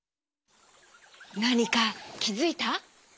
なにかきづいた？